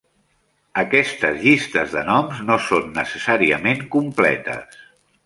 Aquestes llistes de noms no són necessàriament completes.